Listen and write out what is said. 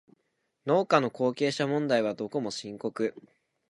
農家の後継者問題はどこも深刻